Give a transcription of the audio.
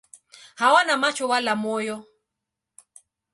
Hawana macho wala moyo.